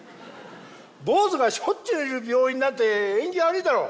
坊主がしょっちゅういる病院なんて縁起悪いだろ！」